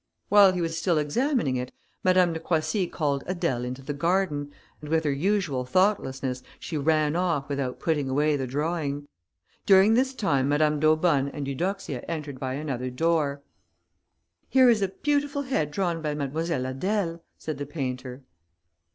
While he was still examining it, Madame de Croissy called Adèle into the garden, and with her usual thoughtlessness she ran off without putting away the drawing; during this time Madame d'Aubonne and Eudoxia entered by another door. "Here is a beautiful head drawn by Mademoiselle Adèle!" said the painter.